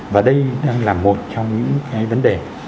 và đây đang là một trong những cái vấn đề